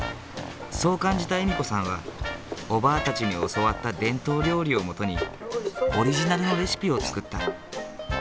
そう感じた笑子さんはおばぁたちに教わった伝統料理を基にオリジナルのレシピを作った。